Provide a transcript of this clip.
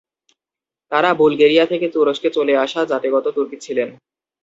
তারা বুলগেরিয়া থেকে তুরস্কে চলে আসা জাতিগত তুর্কি ছিলেন।